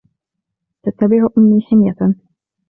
تتبع أمي حميةً.